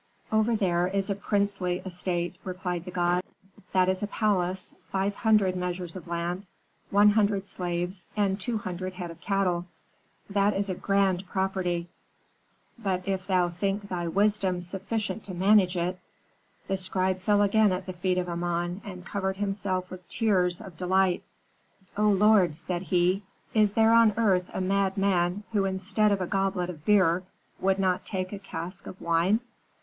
"'Over there is a princely estate,' replied the god. 'That is a palace, five hundred measures of land, one hundred slaves, and two hundred head of cattle. That is a grand property; but if thou think thy wisdom sufficient to manage it ' "The scribe fell again at the feet of Amon, and covered himself with tears of delight. "'O lord,' said he, 'is there on earth a mad man who instead of a goblet of beer would not take a cask of wine?'